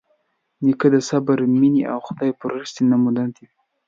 نیکه د صبر، مینې او خدایپرستۍ نمونه وي.